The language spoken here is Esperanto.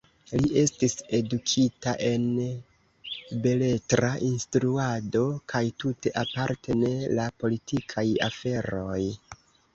Li estis edukita en beletra instruado kaj tute aparte de la politikaj aferoj.